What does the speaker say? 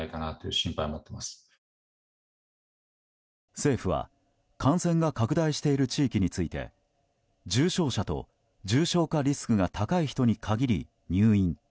政府は、感染が拡大している地域について重症者と重症化リスクが高い人に限り入院。